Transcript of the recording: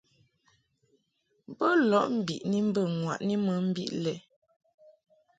Bo lɔʼ mbiʼni mbə ŋwaʼni mɨ mbiʼ lɛ.